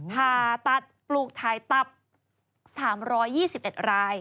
ผ่าตัดปลูกถ่ายตับ๓๒๑ราย